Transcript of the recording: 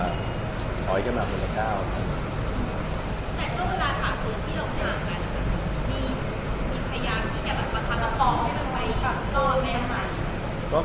แต่ช่วงเวลา๓ปีที่เราพยายามกันมีพยายามที่จะทำประสอบให้มันไปกับก่อนไหม